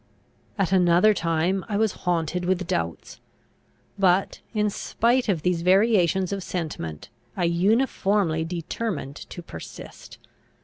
At another time I was haunted with doubts. But, in spite of these variations of sentiment, I uniformly determined to persist!